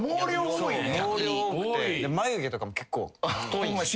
眉毛とかも結構太いんすよ。